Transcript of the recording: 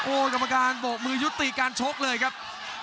โอ้กรรมการปกมือยุติการโชคเลยครับ